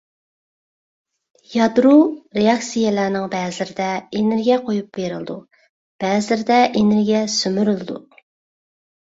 يادرو رېئاكسىيەلىرىنىڭ بەزىلىرىدە ئېنېرگىيە قويۇپ بېرىلىدۇ، بەزىلىرىدە ئېنېرگىيە سۈمۈرۈلىدۇ.